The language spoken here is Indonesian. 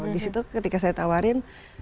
disitu ketika saya tawarin